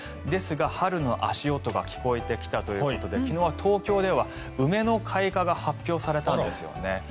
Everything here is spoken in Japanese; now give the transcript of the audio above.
ですが、春の足音が聞こえてきたということで昨日、東京では梅の開花が発表されたんですよね。